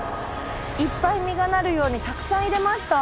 いっぱい実がなるようにたくさん入れました。